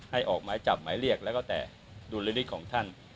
ให้ออกหมายจับหมายเรียกและแด่ดูแลริกของท่าน